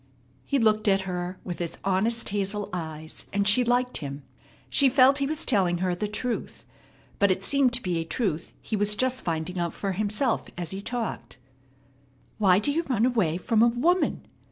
He looked at her with his honest hazel eyes, and she liked him. She felt he was telling her the truth, but it seemed to be a truth he was just finding out for himself as he talked. "Why do you run away from a woman?